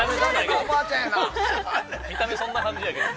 ◆見た目そんな感じやけど。